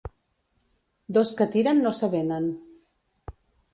Dos que tiren no s'avenen.